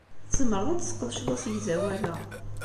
Tzemreḍ ad tesqedceḍ asegzawal-a.